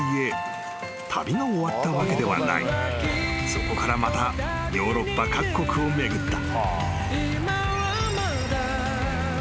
［そこからまたヨーロッパ各国を巡った］